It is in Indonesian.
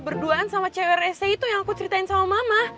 berduaan sama cewek itu yang aku ceritain sama mama